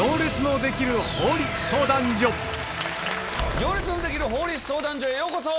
『行列のできる法律相談所』へようこそ。